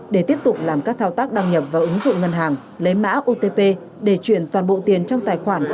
để tiếp tục làm các thao tác đăng nhập vào ứng dụng ngân hàng lấy mã otp để chuyển toàn bộ tiền trong tài khoản